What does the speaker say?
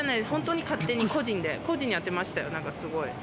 本当に勝手に個人で、個人でやってましたよ、なんかすごい。